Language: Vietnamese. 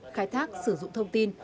khai thác sử dụng thông tin